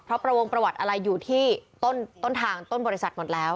เพราะประวงประวัติอะไรอยู่ที่ต้นทางต้นบริษัทหมดแล้ว